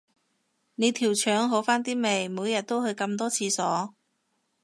你條腸好返啲未，每日都去咁多廁所